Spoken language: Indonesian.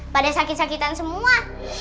padahal sakit sakitan semua